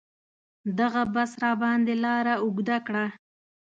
دغه بس راباندې لاره اوږده کړه.